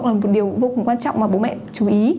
là một điều vô cùng quan trọng mà bố mẹ chú ý